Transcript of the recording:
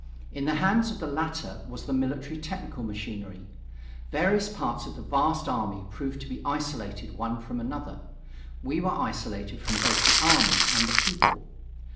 In the hands of the latter was the military technical machinery. Various parts of the vast army proved to be isolated one from another. We were isolated from both the army and the people.